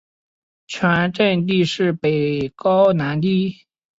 全镇地势北高南低。